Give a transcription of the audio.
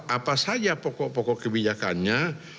apa saja pokok pokok kebijakannya